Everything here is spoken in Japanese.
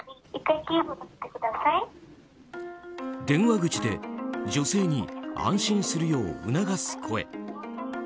電話口で女性に安心するよう促す声。